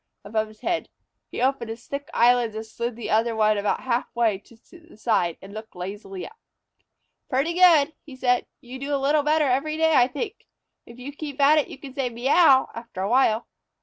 above his head, he opened his thick eyelids and slid the other ones about half way to one side, and looked lazily up. "Pretty good!" he said. "You do a little better every day I think. If you keep at it you can say 'Meouw' after a while."